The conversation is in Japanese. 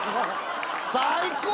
最高！